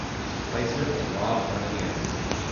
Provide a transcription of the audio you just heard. His replacement was Rob Marciano.